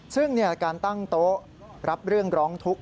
ซึ่งการตั้งโต๊ะรับเรื่องร้องทุกข์